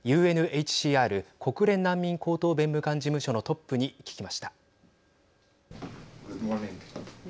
ＵＮＨＣＲ＝国連難民高等弁務官事務所のトップに聞きました。